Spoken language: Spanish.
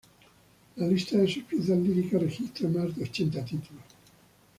La lista de sus piezas líricas registra más de ochenta títulos.